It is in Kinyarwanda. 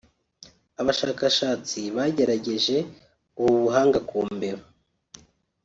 Abashakashatsi bagerageje ubu buhanga ku mbeba